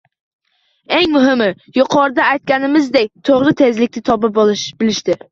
Eng muhimi, yuqorida aytganimizdek, toʻgʻri tezlikni topa bilishdir